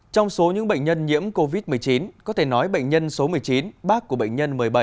trong số những bệnh nhân nhiễm covid một mươi chín có thể nói bệnh nhân số một mươi chín bác của bệnh nhân một mươi bảy